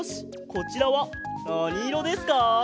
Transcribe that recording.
こちらはなにいろですか？